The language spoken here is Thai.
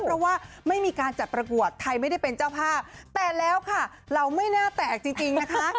เพราะว่าไม่มีการจัดประกวดใครไม่ได้เป็นเจ้าภาพแต่แล้วค่ะเราไม่น่าแตกจริงนะคะ